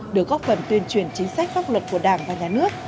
được góp phần tuyên truyền chính sách pháp luật của đảng và nhà nước